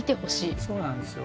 そうなんですよ。